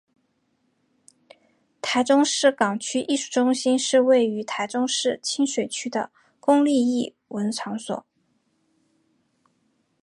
台中市港区艺术中心是位于台中市清水区的公立艺文场所。